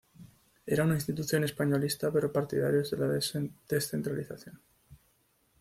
Era una institución españolista pero partidarios de la descentralización.